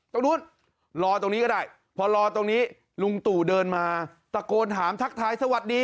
ตรงนู้นรอตรงนี้ก็ได้พอรอตรงนี้ลุงตู่เดินมาตะโกนถามทักทายสวัสดี